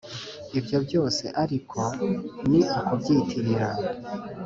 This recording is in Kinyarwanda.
ibyo byose ariko ni ukubyitirira